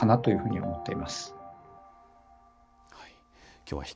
はい。